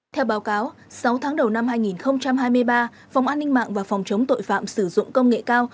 theo báo cáo sáu tháng đầu năm hai nghìn hai mươi ba phòng an ninh mạng và phòng chống tội phạm sử dụng công nghệ cao